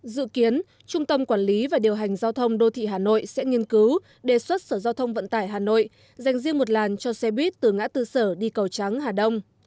dự kiến trung tâm quản lý và điều hành giao thông đô thị hà nội sẽ nghiên cứu đề xuất sở giao thông vận tải hà nội dành riêng một làn cho xe buýt từ ngã tư sở đi cầu trắng hà đông